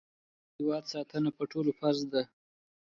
د هېواد ساتنه په ټولو فرض ده.